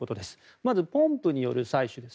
まずポンプによる採取です。